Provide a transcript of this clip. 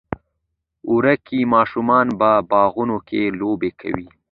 وری کې ماشومان په باغونو کې لوبې کوي.